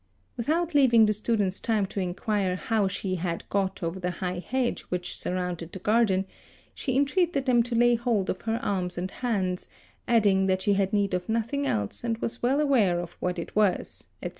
Without leaving the students time to in quire how she had got over the high hedge which surrounded the garden, she entreated them to lay hold of her arms and hands, adding that she had need of nothing else and was well aware of what it was, etc.